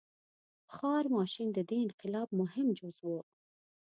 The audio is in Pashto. • بخار ماشین د دې انقلاب مهم جز و.